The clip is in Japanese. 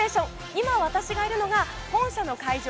今、私がいるのが本社の会場